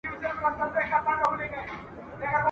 په تېر وصال پسي هجران وو ما یې فال کتلی ..